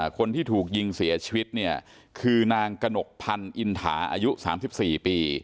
คนที่ถูกยิงเสียชีวิตคือนางกนกพันอินถาอายุ๓๔ปี